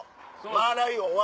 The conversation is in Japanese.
マーライオンは。